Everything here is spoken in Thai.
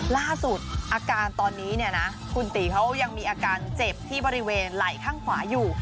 ล่าสุดอาการตอนนี้เนี่ยนะคุณตีเขายังมีอาการเจ็บที่บริเวณไหล่ข้างขวาอยู่